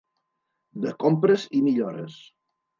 De compres i millores.